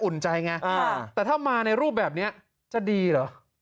ใจไงแต่ถ้ามาในรูปแบบนี้จะดีเหรอ